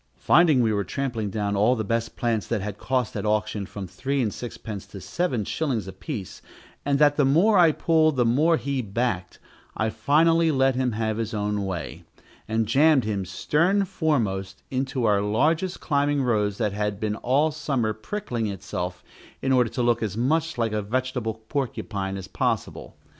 Finding we were trampling down all the best plants, that had cost at auction from three and sixpence to seven shillings apiece, and that the more I pulled, the more he backed, I finally let him have his own way, and jammed him stern foremost into our largest climbing rose that had been all summer prickling itself, in order to look as much like a vegetable porcupine as possible.